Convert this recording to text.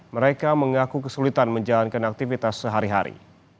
mereka mengaku kesulitan menjalankan aktivitas sehari hari